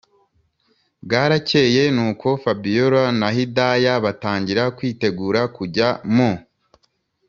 bwarakeye nuko fabiora na hidaya batangira kwitegura kujya m